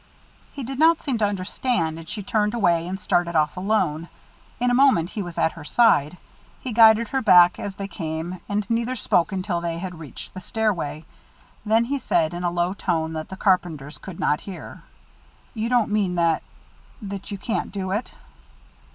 He did not seem to understand, and she turned away and started off alone. In a moment he was at her side. He guided her back as they had come, and neither spoke until they had reached the stairway. Then he said, in a low tone that the carpenters could not hear: "You don't mean that that you can't do it?"